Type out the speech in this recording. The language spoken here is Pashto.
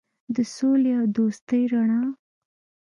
د سولې او دوستۍ رڼا.